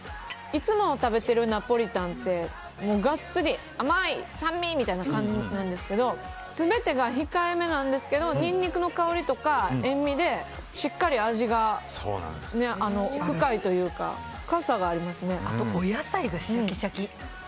いつも食べてるナポリタンってがっつり甘い、酸味みたいな感じですが全てが控えめなんですけどニンニクの香りとか塩みでしっかり味が深いというかお野菜がシャキシャキ。